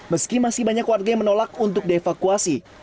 meski masih banyak warga yang menolak untuk dievakuasi